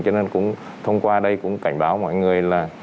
cho nên cũng thông qua đây cũng cảnh báo mọi người là